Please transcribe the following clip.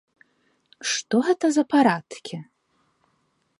Што гэта за парадкі!